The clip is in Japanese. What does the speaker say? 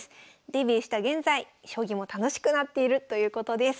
デビューした現在将棋も楽しくなっているということです。